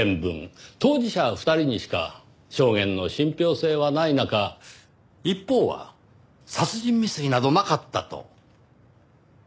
当事者２人にしか証言の信憑性はない中一方は殺人未遂などなかったと。